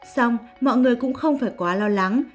xong mọi người cũng không phải quá lo lắng